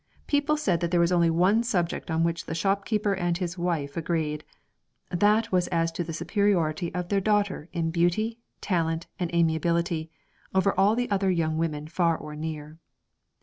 People said that there was only one subject on which the shopkeeper and his wife agreed, that was as to the superiority of their daughter in beauty, talent, and amiability, over all other young women far or near.